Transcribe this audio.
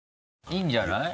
いいんじゃない？